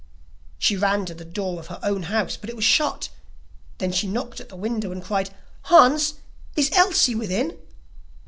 She ran to the door of her own house, but it was shut; then she knocked at the window and cried: 'Hans, is Elsie within?